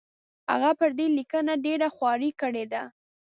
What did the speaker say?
هغه پر دې لیکنه ډېره خواري کړې ده.